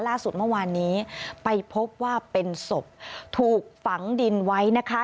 ล่าสุดเมื่อวานนี้ไปพบว่าเป็นศพถูกฝังดินไว้นะคะ